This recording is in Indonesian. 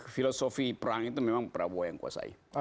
filosofi perang itu memang prabowo yang kuasai